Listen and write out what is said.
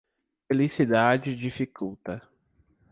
Felicidade dificulta.